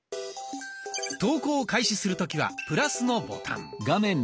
投稿を開始する時はプラスのボタン。